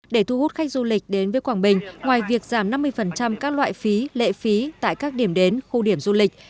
để thu hút khách du lịch đến với quảng bình ngoài việc giảm năm mươi các loại phí lệ phí tại các điểm đến khu điểm du lịch